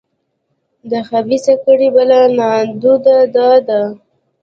د خبیثه کړۍ بله نادوده دا ده.